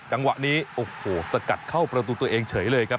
จังหวะนี้โอ้โหสกัดเข้าประตูตัวเองเฉยเลยครับ